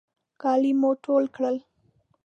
کالي مو ټول کړل.